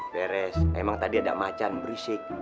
beres emang tadi ada macan berisik